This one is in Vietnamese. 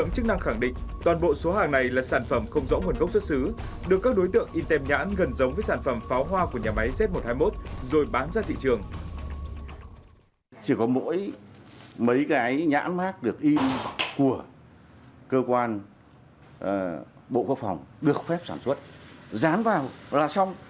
chỉ có mỗi mấy cái nhãn mát được in của cơ quan bộ quốc phòng được phép sản xuất dán vào là xong